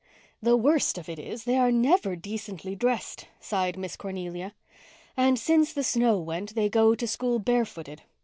"The worst of it is, they are never decently dressed," sighed Miss Cornelia. "And since the snow went they go to school barefooted.